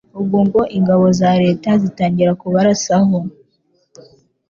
ubwo ngo ingabo za leta zitangira kubarasaho